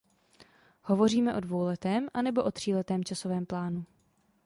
Hovoříme o dvouletém, anebo o tříletém časovém plánu?